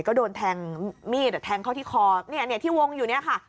ก็โดนแทงมีดแทงเข้าที่คอเนี่ยที่วงอยู่เนี่ยค่ะ